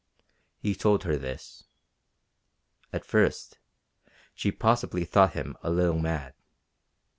He told her this. At first she possibly thought him a little mad.